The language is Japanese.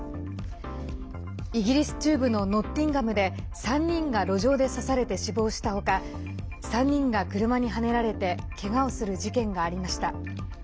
イギリス中部のノッティンガムで３人が路上で刺されて死亡した他３人が車にはねられてけがをする事件がありました。